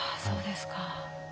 そうですか。